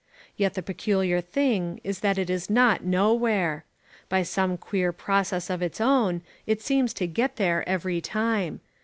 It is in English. Yet the peculiar thing is that it is not nowhere. By some queer process of its own it seems to get there every time.